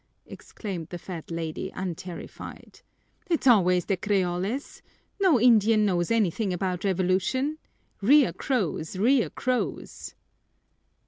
exclaimed the fat lady, unterrified. "It's always the creoles! No Indian knows anything about revolution! Rear crows, rear crows!"